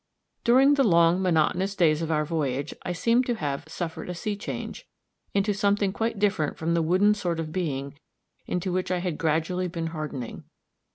During the long, monotonous days of our voyage, I seemed to have "Suffered a sea change" into something quite different from the wooden sort of being into which I had gradually been hardening.